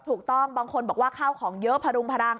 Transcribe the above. ถูกต้องบางคนบอกว่าข้าวของเยอะพรุงพลัง